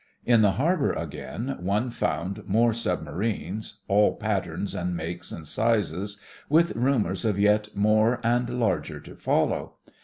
In the harbour again, one found more submarines, all patterns and makes and sizes, with rumours of yet more and larger to follow.